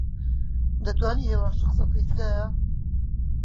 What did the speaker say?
دەتوانیت هێواشتر قسە بکەیت، تکایە؟